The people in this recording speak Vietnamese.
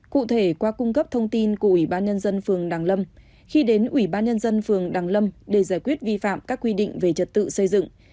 cụ thể qua cung cấp thông tin của ủy ban nhân dân phường đàng lâm khi đến ủy ban nhân dân phường đằng lâm để giải quyết vi phạm các quy định về trật tự xây dựng